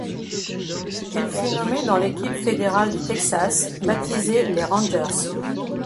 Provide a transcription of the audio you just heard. Elle fut nommée dans l'équipe fédérale du Texas, baptisée les Rangers.